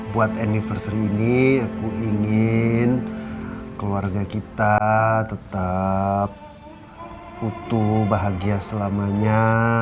buat anniversary ini aku ingin keluarga kita tetap utuh bahagia selamanya